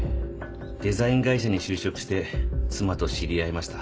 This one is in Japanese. デザイン会社に就職して妻と知り合いました。